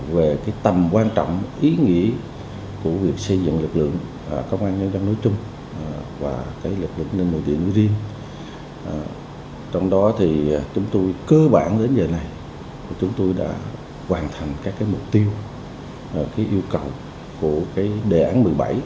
về tầm quan trọng ý nghĩa của việc xây dựng lực lượng công an nhân dân nối chung và lực lượng nhân nội địa nối riêng trong đó chúng tôi cơ bản đến giờ này chúng tôi đã hoàn thành các mục tiêu yêu cầu của đề án một mươi bảy